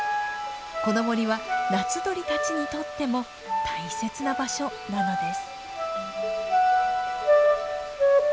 この森は夏鳥たちにとっても大切な場所なのです。